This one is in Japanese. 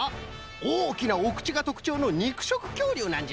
おおきなおくちがとくちょうのにくしょくきょうりゅうなんじゃ。